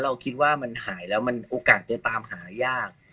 เราคิดว่ามันหายแล้วมันโอกาสจะตามหายาก